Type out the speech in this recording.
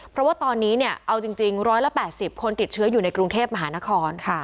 เพราะว่าตอนนี้เนี่ยเอาจริง๑๘๐คนติดเชื้ออยู่ในกรุงเทพมหานคร